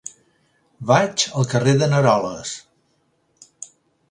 Vaig al carrer de n'Aroles.